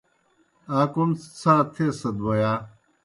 آ کوْم څھا تھیت بوْ یا؟